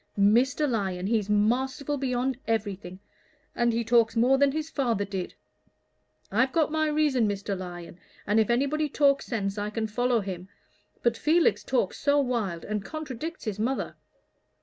"Mr. Lyon, he's masterful beyond everything, and he talks more than his father did. I've got my reason, Mr. Lyon, and if anybody talks sense I can follow him; but Felix talks so wild, and contradicts his mother.